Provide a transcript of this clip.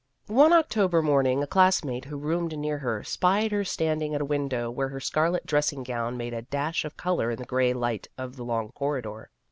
One October morning a classmate, who roomed near her, spied her standing at a window where her scarlet dressing gown made a dash of color in the gray light of the long corridor.